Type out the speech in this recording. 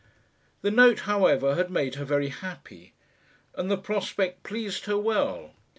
The note, however, had made her very happy, and the prospect pleased her well.